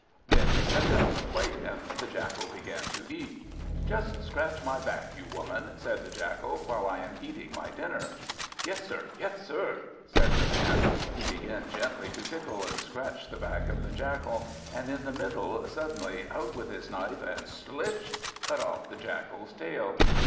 Then he set down the plate and the Jackal began to eat. "Just scratch my back, you, woman," said the Jackal, "while I am eating my dinner." "Yes, sir; yes, sir," said the man. He began gently to tickle and scratch the back of the Jackal, and in the middle, suddenly out with his knife, and slish! cut off the Jackal's tail.